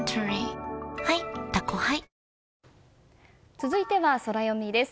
」続いては、ソラよみです。